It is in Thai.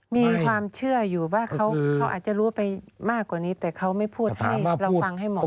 มีความเชื่ออยู่ว่าเขาอาจจะรู้ไปมากกว่านี้แต่เขาไม่พูดให้เราฟังให้เหมาะ